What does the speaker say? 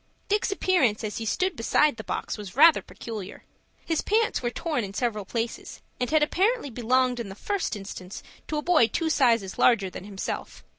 Dick's appearance as he stood beside the box was rather peculiar. His pants were torn in several places, and had apparently belonged in the first instance to a boy two sizes larger than himself.